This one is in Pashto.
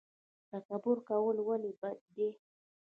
تکبر کول ولې بد دي؟